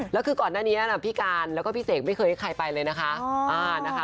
แล้วคือก่อนหน้านี้พี่การแล้วก็พี่เสกไม่เคยให้ใครไปเลยนะคะ